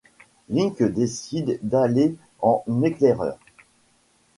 Link décide d'aller en éclaireur.